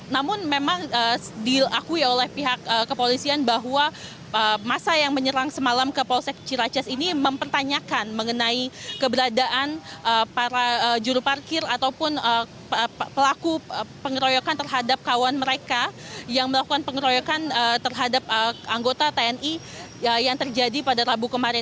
namun memang diakui oleh pihak kepolisian bahwa masa yang menyerang semalam ke polsek ciraces ini mempertanyakan mengenai keberadaan para juru parkir ataupun pelaku pengeroyokan terhadap kawan mereka yang melakukan pengeroyokan terhadap anggota tni yang terjadi pada rabu kemarin